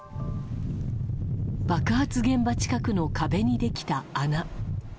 爆発現場近くの壁にできた穴。